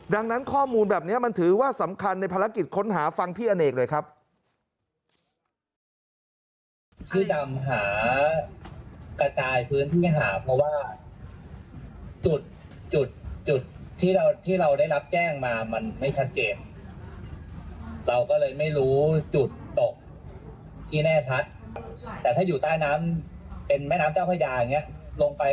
ดังนั้นข้อมูลแบบนี้มันถือว่าสำคัญในภารกิจค้นหาฟังพี่อเนกหน่อยครับ